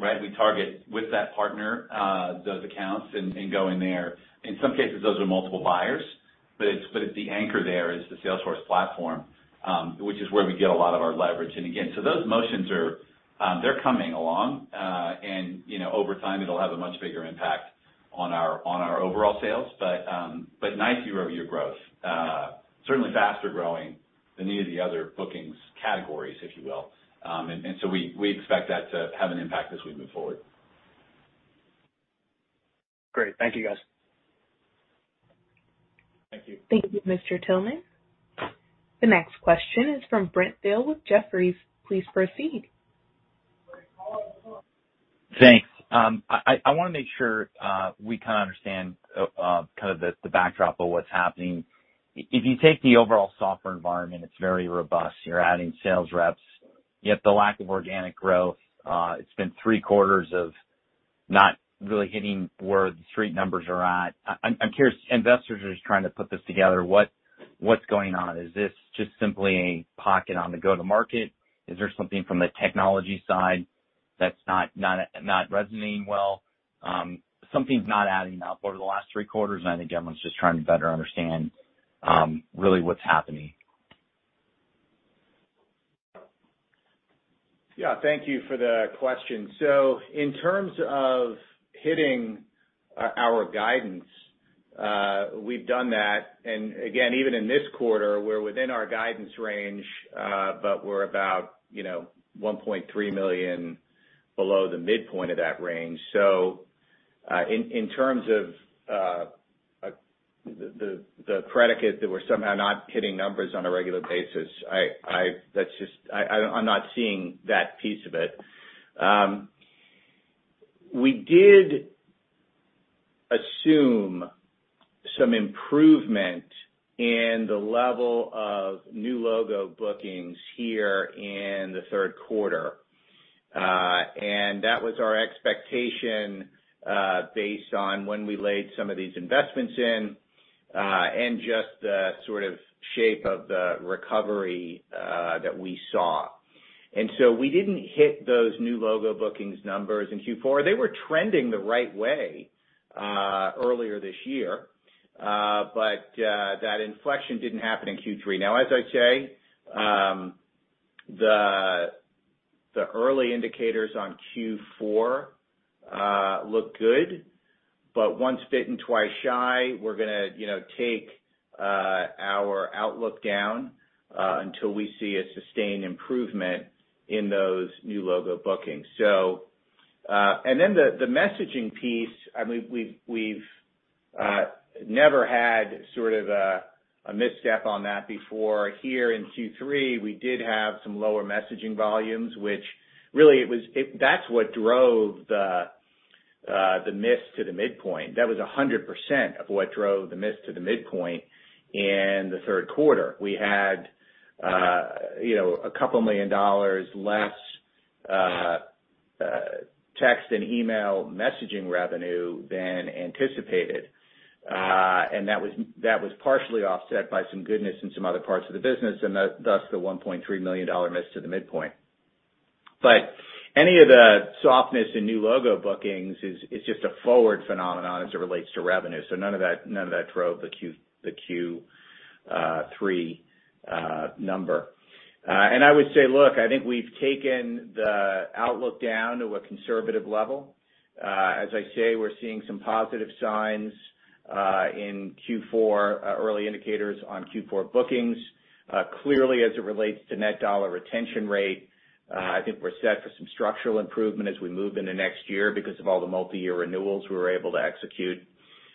right? We target with that partner, those accounts and go in there. In some cases, those are multiple buyers, but it's the anchor there is the Salesforce platform, which is where we get a lot of our leverage. Those motions are, they're coming along, and, you know, over time it'll have a much bigger impact on our overall sales, but nice year-over-year growth. Certainly faster growing than any of the other bookings categories, if you will. So we expect that to have an impact as we move forward. Great. Thank you, guys. Thank you. Thank you, Mr. Tillman. The next question is from Brent Thill with Jefferies. Please proceed. Thanks. I wanna make sure we kinda understand kind of the backdrop of what's happening. If you take the overall software environment, it's very robust. You're adding sales reps, yet the lack of organic growth, it's been three quarters of not really hitting where the street numbers are at. I'm curious, investors are just trying to put this together, what's going on? Is this just simply a pocket on the go-to-market? Is there something from the technology side that's not resonating well? Something's not adding up over the last three quarters, and I think everyone's just trying to better understand really what's happening. Yeah. Thank you for the question. In terms of hitting our guidance, we've done that. Again, even in this quarter, we're within our guidance range, but we're about, you know, $1.3 million below the midpoint of that range. In terms of the predicate that we're somehow not hitting numbers on a regular basis, that's just. I'm not seeing that piece of it. We did assume some improvement in the level of new logo bookings here in the third quarter. That was our expectation, based on when we laid some of these investments in, and just the sort of shape of the recovery that we saw. We didn't hit those new logo bookings numbers in Q4. They were trending the right way earlier this year, but that inflection didn't happen in Q3. Now, as I say, the early indicators on Q4 look good, but once bitten, twice shy, we're gonna, you know, take our outlook down until we see a sustained improvement in those new logo bookings. And then the messaging piece, I mean, we've never had sort of a misstep on that before. Here in Q3, we did have some lower messaging volumes, which really, that's what drove the miss to the midpoint. That was 100% of what drove the miss to the midpoint in the third quarter. We had, you know, a couple million dollars less text and email messaging revenue than anticipated. That was partially offset by some goodness in some other parts of the business, and thus the $1.3 million miss to the midpoint. Any of the softness in new logo bookings is just a forward phenomenon as it relates to revenue. None of that drove the Q3 number. I would say, look, I think we've taken the outlook down to a conservative level. As I say, we're seeing some positive signs in Q4, early indicators on Q4 bookings. Clearly, as it relates to Net Dollar Retention Rate, I think we're set for some structural improvement as we move into next year because of all the multiyear renewals we were able to execute.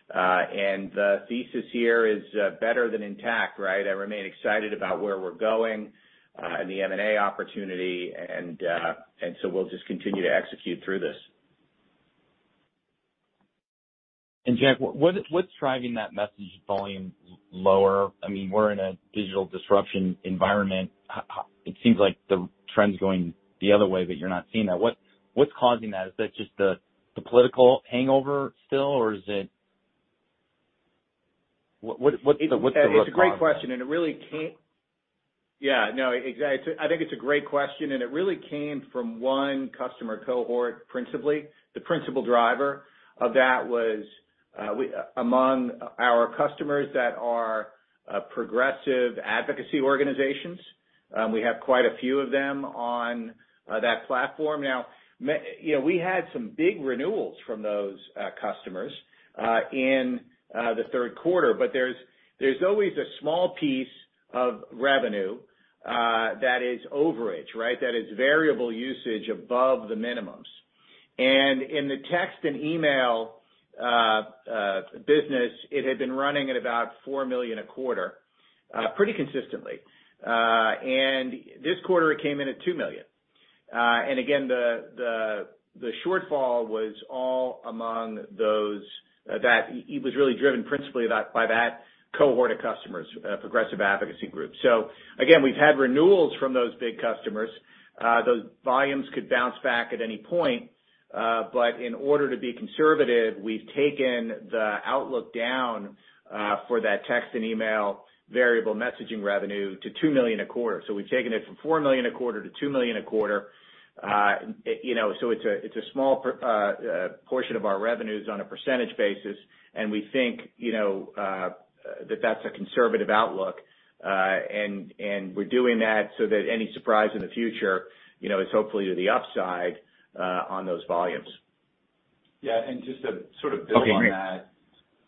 The thesis here is better than intact, right? I remain excited about where we're going, and the M&A opportunity, and so we'll just continue to execute through this. Jack, what's driving that message volume lower? I mean, we're in a digital disruption environment. It seems like the trend's going the other way, but you're not seeing that. What's causing that? Is that just the political hangover still, or what's the root cause of that? I think it's a great question, and it really came from one customer cohort, principally. The principal driver of that was among our customers that are progressive advocacy organizations. We have quite a few of them on that platform. Now, you know, we had some big renewals from those customers in the third quarter, but there's always a small piece of revenue that is overage, right? That is variable usage above the minimums. In the text and email business, it had been running at about $4 million a quarter pretty consistently. This quarter it came in at $2 million. The shortfall was all among those that it was really driven principally by that cohort of customers, progressive advocacy group. Again, we've had renewals from those big customers. Those volumes could bounce back at any point, but in order to be conservative, we've taken the outlook down for that text and email variable messaging revenue to $2 million a quarter. We've taken it from $4 million a quarter to $2 million a quarter. You know, it's a small portion of our revenues on a percentage basis, and we think that that's a conservative outlook. We're doing that so that any surprise in the future, you know, is hopefully to the upside on those volumes. Yeah. Just to sort of build on that.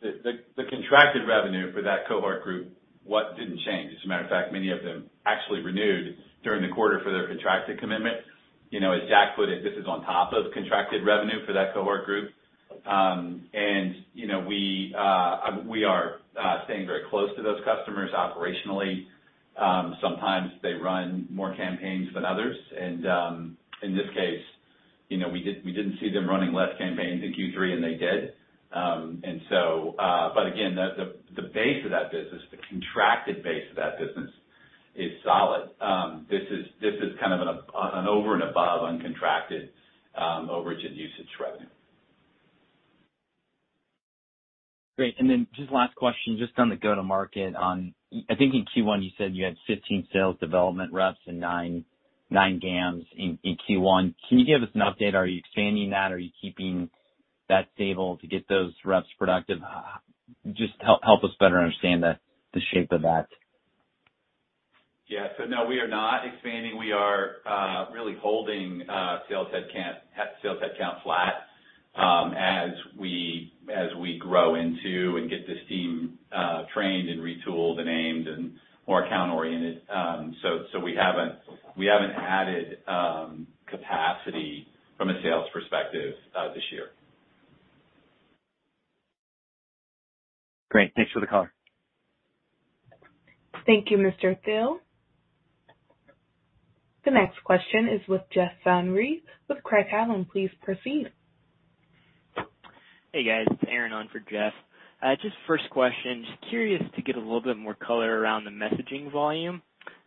Okay, great. The contracted revenue for that cohort group, what didn't change, as a matter of fact, many of them actually renewed during the quarter for their contracted commitment. You know, as Jack put it, this is on top of contracted revenue for that cohort group. We are staying very close to those customers operationally. Sometimes they run more campaigns than others. In this case, we didn't see them running less campaigns in Q3, and they did. But again, the base of that business, the contracted base of that business is solid. This is kind of an over and above uncontracted, overage and usage revenue. Great. Just last question, just on the go-to-market. I think in Q1 you said you had 15 sales development reps and 9 GAMS in Q1. Can you give us an update? Are you expanding that? Are you keeping that stable to get those reps productive? Just help us better understand the shape of that. Yeah. No, we are not expanding. We are really holding sales head count flat as we grow into and get this team trained and retooled and aimed and more account oriented. We haven't added capacity from a sales perspective this year. Great. Thanks for the color. Thank you, Mr. Thill. The next question is with Jeff Van Rhee with Craig-Hallum. Please proceed. Hey, guys. It's Aaron on for Jeff. Just first question, just curious to get a little bit more color around the messaging volume.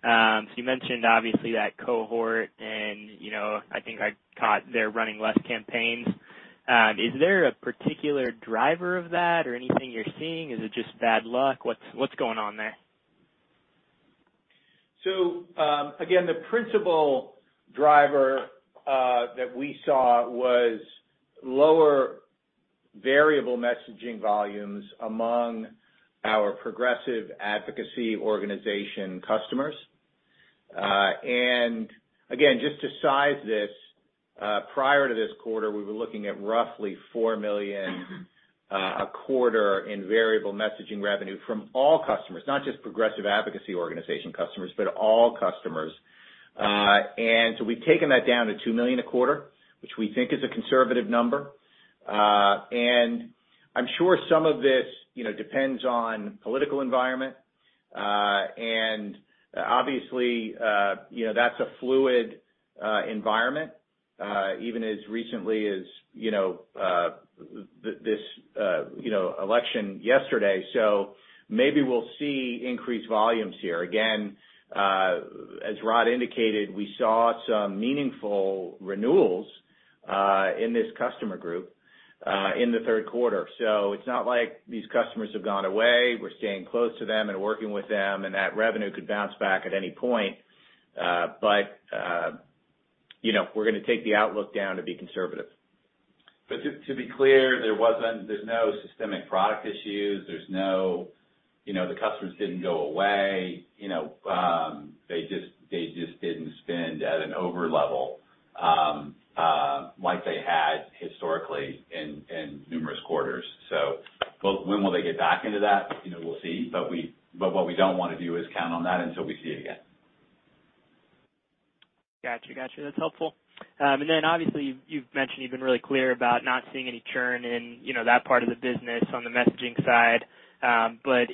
You mentioned obviously that cohort and you know, I think I caught they're running less campaigns. Is there a particular driver of that or anything you're seeing? Is it just bad luck? What's going on there? Again, the principal driver that we saw was lower variable messaging volumes among our progressive advocacy organization customers. Again, just to size this, prior to this quarter, we were looking at roughly $4 million a quarter in variable messaging revenue from all customers, not just progressive advocacy organization customers, but all customers. We've taken that down to $2 million a quarter, which we think is a conservative number. I'm sure some of this, you know, depends on political environment. Obviously, you know, that's a fluid environment, even as recently as, you know, this election yesterday. Maybe we'll see increased volumes here. Again, as Rod indicated, we saw some meaningful renewals in this customer group in the third quarter. It's not like these customers have gone away. We're staying close to them and working with them, and that revenue could bounce back at any point. You know, we're gonna take the outlook down to be conservative. Just to be clear, there's no systemic product issues. There's no, you know, the customers didn't go away. You know, they just didn't spend at an over-level, like they had historically in numerous quarters. When will they get back into that? You know, we'll see. What we don't wanna do is count on that until we see it again. Got you. That's helpful. Obviously, you've mentioned you've been really clear about not seeing any churn in, you know, that part of the business on the messaging side.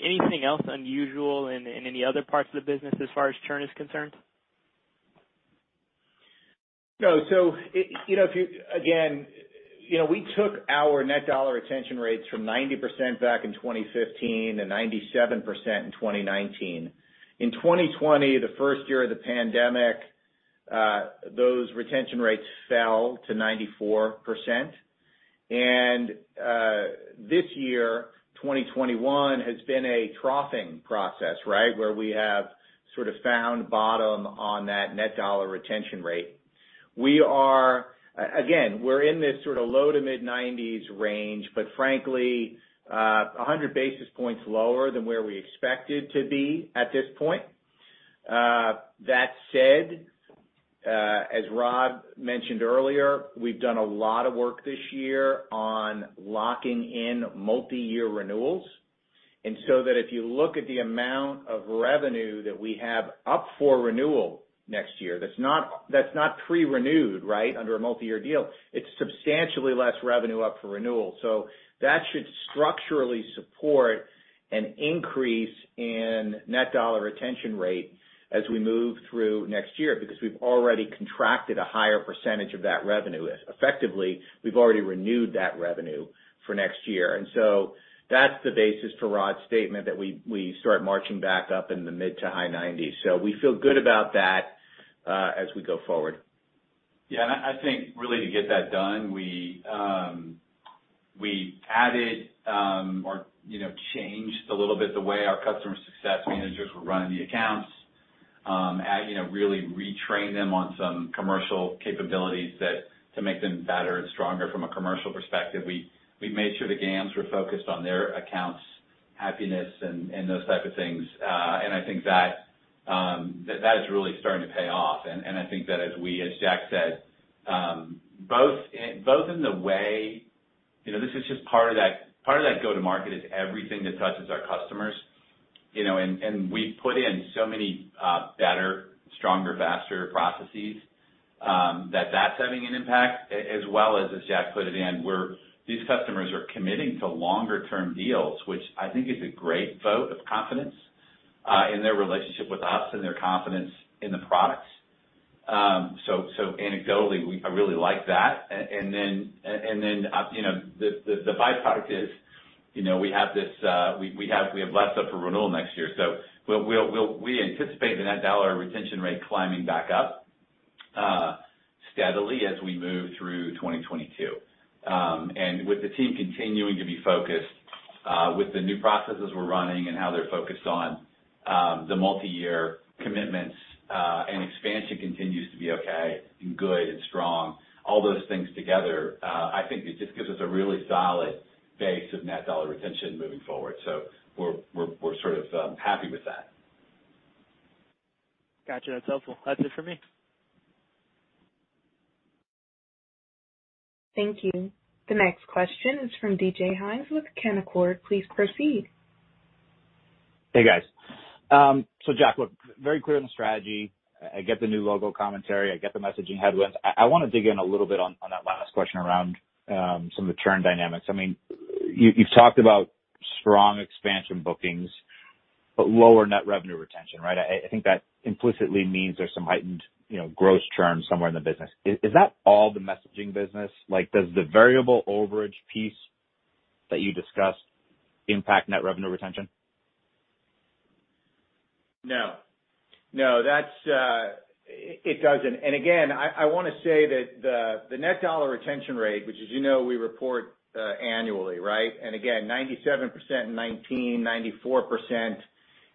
Anything else unusual in any other parts of the business as far as churn is concerned? No. You know, if you again, you know, we took our Net Dollar Retention Rate from 90% back in 2015 to 97% in 2019. In 2020, the first year of the pandemic, those retention rates fell to 94%. This year, 2021 has been a troughing process, right? Where we have sort of found bottom on that Net Dollar Retention Rate. We're in this sort of low to mid-90s range, but frankly, 100 basis points lower than where we expected to be at this point. That said, as Rod mentioned earlier, we've done a lot of work this year on locking in multi-year renewals. That if you look at the amount of revenue that we have up for renewal next year, that's not, that's not pre-renewed, right, under a multi-year deal. It's substantially less revenue up for renewal. That should structurally support an increase in Net Dollar Retention Rate as we move through next year, because we've already contracted a higher percentage of that revenue. Effectively, we've already renewed that revenue for next year. That's the basis for Rod's statement that we start marching back up in the mid- to high 90s. We feel good about that, as we go forward. Yeah, I think really to get that done, we added or, you know, changed a little bit the way our customer success managers were running the accounts. You know, really retrain them on some commercial capabilities that to make them better and stronger from a commercial perspective. We made sure the GAMS were focused on their accounts happiness and those type of things. I think that is really starting to pay off. I think that, as Jack said, both in the way, you know, this is just part of that part of that go-to-market is everything that touches our customers, you know, and we put in so many better, stronger, faster processes that that's having an impact as well as Jack put it, in where these customers are committing to longer term deals, which I think is a great vote of confidence in their relationship with us and their confidence in the products. So anecdotally, I really like that. Then, you know, the by-product is, you know, we have this we have less up for renewal next year. We anticipate the Net Dollar Retention Rate climbing back up steadily as we move through 2022. With the team continuing to be focused with the new processes we're running and how they're focused on the multi-year commitments, and expansion continues to be okay and good and strong. All those things together, I think it just gives us a really solid base of Net Dollar Retention moving forward. We're sort of happy with that. Got you. That's helpful. That's it for me. Thank you. The next question is from DJ Hynes with Canaccord. Please proceed. Hey, guys. Jack, look, very clear on the strategy. I get the new logo commentary. I get the messaging headwinds. I wanna dig in a little bit on that last question around some of the churn dynamics. I mean, you've talked about strong expansion bookings but lower net revenue retention, right? I think that implicitly means there's some heightened, you know, gross churn somewhere in the business. Is that all the messaging business? Like, does the variable overage piece that you discussed impact net revenue retention? No. No, that's it. It doesn't. Again, I wanna say that the Net Dollar Retention Rate, which as you know we report annually, right? Again, 97% in 2019, 94%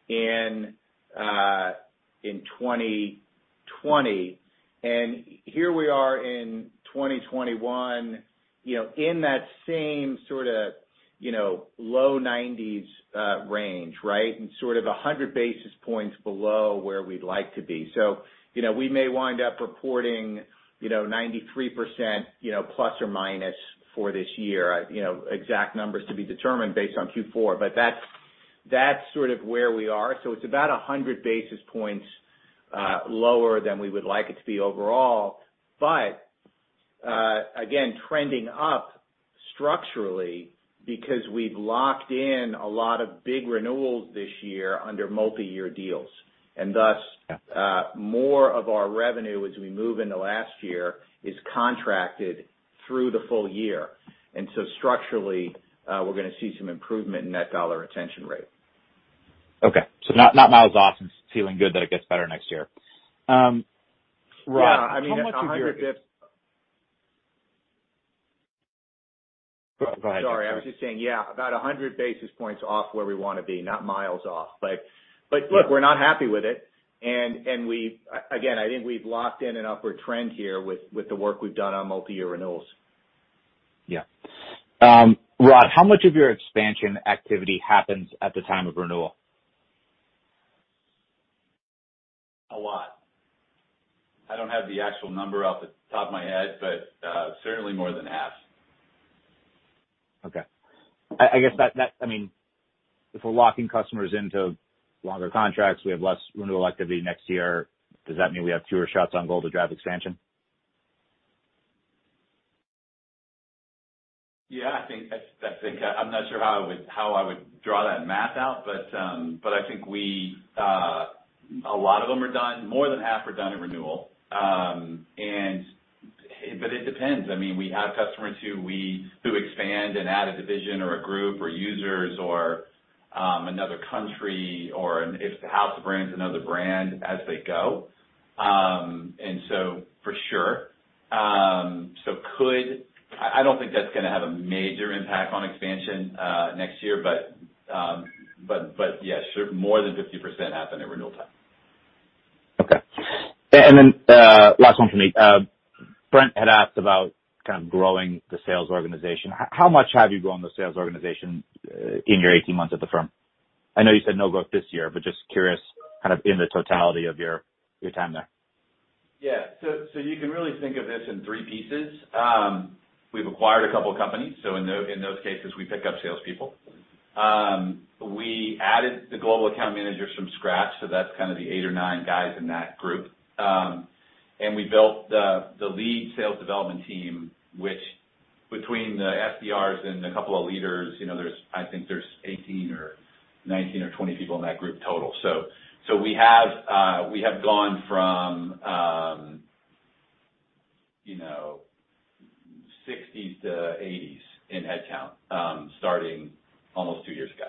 in 2020. Here we are in 2021, you know, in that same sorta, you know, low 90s range, right? Sort of 100 basis points below where we'd like to be. You know, we may wind up reporting, you know, 93%, you know, plus or minus for this year. You know, exact numbers to be determined based on Q4. That's sort of where we are. It's about 100 basis points lower than we would like it to be overall. Again, trending up structurally because we've locked in a lot of big renewals this year under multi-year deals. And thus- Yeah. More of our revenue as we move into last year is contracted through the full year. Structurally, we're gonna see some improvement in Net Dollar Retention Rate. Okay. Not miles off and feeling good that it gets better next year. Rod Yeah. I mean, 100 if- Go ahead, sorry. Sorry. I was just saying, yeah, about 100 basis points off where we wanna be, not miles off. Look, we're not happy with it. We again, I think we've locked in an upward trend here with the work we've done on multi-year renewals. Yeah. Rod, how much of your expansion activity happens at the time of renewal? A lot. I don't have the actual number off the top of my head, but certainly more than half. Okay. I guess I mean, if we're locking customers into longer contracts, we have less renewal activity next year. Does that mean we have fewer shots on goal to drive expansion? Yeah, I think I'm not sure how I would draw that math out, but I think a lot of them are done, more than half are done in renewal. It depends. I mean, we have customers who expand and add a division or a group or users or another country or if the house brands another brand as they go. For sure. I don't think that's gonna have a major impact on expansion next year. Yes, sure more than 50% happen at renewal time. Okay. Last one for me. Brent had asked about kind of growing the sales organization. How much have you grown the sales organization in your 18 months at the firm? I know you said no growth this year, but just curious, kind of in the totality of your time there. Yeah. You can really think of this in three pieces. We've acquired a couple companies, so in those cases, we pick up salespeople. We added the global account managers from scratch, so that's kind of the 8 or 9 guys in that group. We built the lead sales development team, which between the SDRs and a couple of leaders, you know, I think there's 18 or 19 or 20 people in that group total. We have gone from, you know, 60s to 80s in headcount, starting almost two years ago.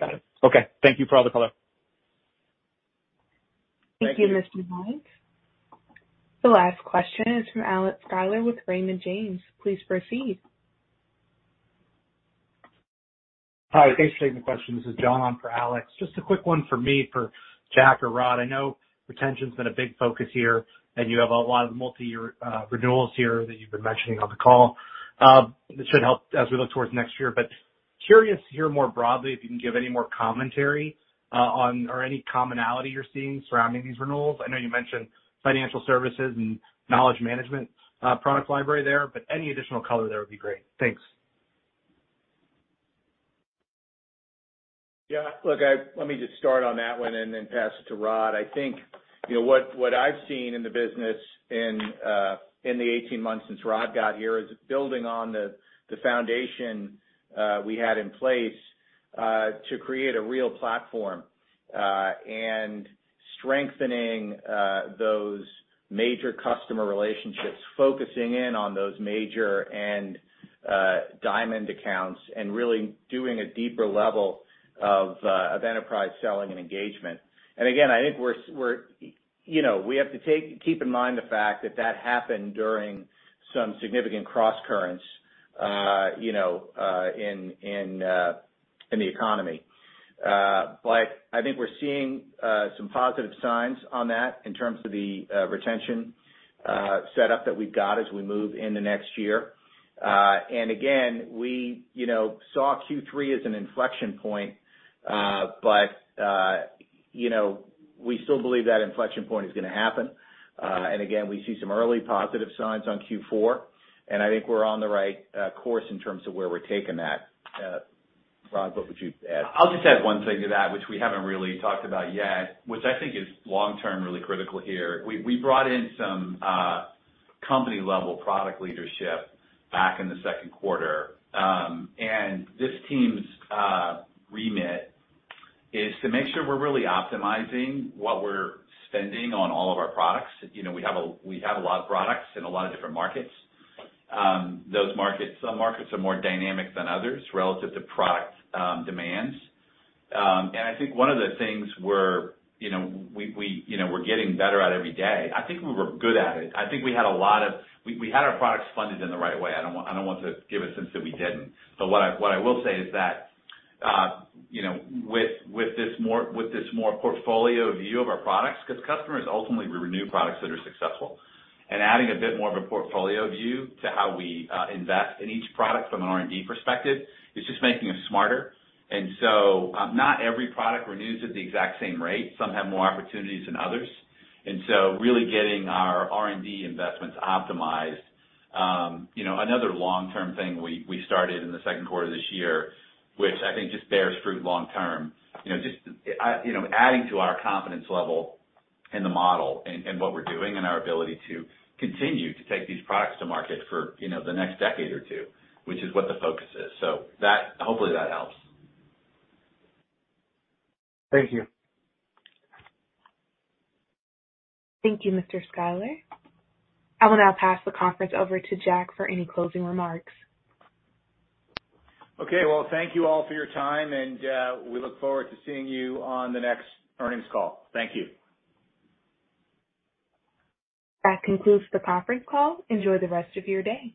Got it. Okay. Thank you for all the color. Thank you. Thank you, Mr. Hynes. The last question is from Alex Sklar with Raymond James. Please proceed. Hi, thanks for taking the question. This is John for Alex. Just a quick one for me, for Jack or Rod. I know retention's been a big focus here, and you have a lot of multi-year renewals here that you've been mentioning on the call. This should help as we look towards next year. Curious to hear more broadly, if you can give any more commentary, on or any commonality you're seeing surrounding these renewals. I know you mentioned financial services and knowledge management, product library there, but any additional color there would be great. Thanks. Yeah. Look, let me just start on that one and then pass it to Rod. I think, you know, what I've seen in the business in the 18 months since Rod got here is building on the foundation we had in place to create a real platform and strengthening those major customer relationships, focusing in on those major and diamond accounts, and really doing a deeper level of enterprise selling and engagement. Again, I think we're, you know, we have to keep in mind the fact that that happened during some significant crosscurrents, you know, in the economy. But I think we're seeing some positive signs on that in terms of the retention setup that we've got as we move in the next year. Again, we, you know, saw Q3 as an inflection point. You know, we still believe that inflection point is gonna happen. Again, we see some early positive signs on Q4, and I think we're on the right course in terms of where we're taking that. Rod, what would you add? I'll just add one thing to that which we haven't really talked about yet, which I think is long-term, really critical here. We brought in some company-level product leadership back in the second quarter. This team's remit is to make sure we're really optimizing what we're spending on all of our products. You know, we have a lot of products in a lot of different markets. Those markets, some markets are more dynamic than others relative to product demands. I think one of the things we're, you know, getting better at every day, I think we're good at it. I think we had our products funded in the right way. I don't want to give a sense that we didn't. What I will say is that, you know, with this more portfolio view of our products, 'cause customers ultimately renew products that are successful, and adding a bit more of a portfolio view to how we invest in each product from an R&D perspective is just making us smarter. Not every product renews at the exact same rate. Some have more opportunities than others. Really getting our R&D investments optimized, you know, another long-term thing we started in the second quarter of this year, which I think just bears fruit long term. You know, just you know, adding to our confidence level in the model and what we're doing and our ability to continue to take these products to market for, you know, the next decade or two, which is what the focus is. Hopefully, that helps. Thank you. Thank you, Mr. Sklar. I will now pass the conference over to Jack for any closing remarks. Okay. Well, thank you all for your time, and we look forward to seeing you on the next earnings call. Thank you. That concludes the conference call. Enjoy the rest of your day.